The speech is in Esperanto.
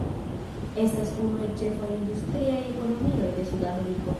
Estas unu el ĉefaj industriaj ekonomioj de Sudameriko.